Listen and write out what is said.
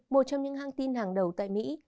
một trong những hãng tin hàng đầu tại mỹ